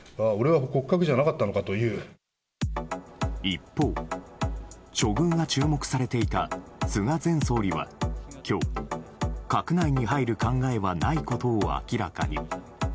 一方、処遇が注目されていた菅前総理は今日、閣内に入る考えはないと明らかに。